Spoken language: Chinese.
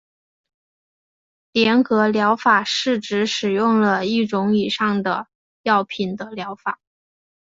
联合疗法是指使用了一种以上的药品的疗法。